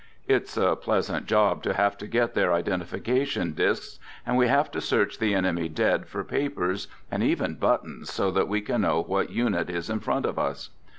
It's a pleasant job to have to get their identification disks, and we have to search the enemy dead for papers and even buttons so that we can know what unit is in front of us.